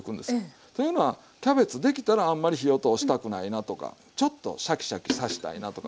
というのはキャベツできたらあんまり火を通したくないなとかちょっとシャキシャキさしたいなとか。